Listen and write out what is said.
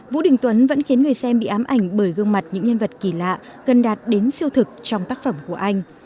vũ đình tuấn vẫn khiến người xem bị ám ảnh bởi gương mặt những nhân vật kỳ lạ gần đạt đến siêu thực trong tác phẩm của anh